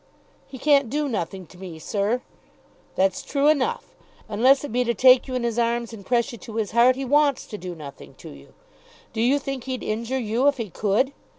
"He can't do nothing to me, sir." "That's true enough. Unless it be to take you in his arms and press you to his heart, he wants to do nothing to you. Do you think he'd injure you if he could?